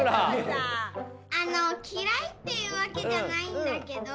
あのきらいっていうわけじゃないんだけど。